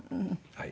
はい。